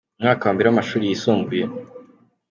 mu mwaka wa mbere w’amashuri yisumbuye.